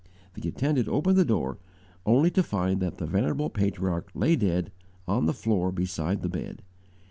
The attendant opened the door, only to find that the venerable patriarch lay dead, on the floor beside the bed.